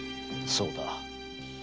そうだ。